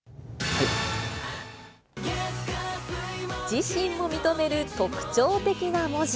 自身も認める特徴的な文字。